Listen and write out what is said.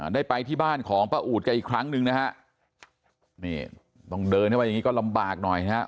ได้ไปที่บ้านของพระอูดกันอีกครั้งนึงนะฮะต้องเดินให้ว่ายังงี้ก็ลำบากหน่อยนะฮะ